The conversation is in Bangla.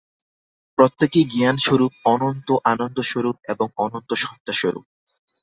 প্রত্যেকেই জ্ঞানস্বরূপ, অনন্ত আনন্দস্বরূপ এবং অনন্ত সত্তাস্বরূপ।